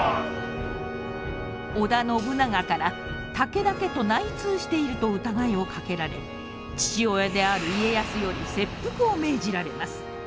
織田信長から武田家と内通していると疑いをかけられ父親である家康より切腹を命じられます。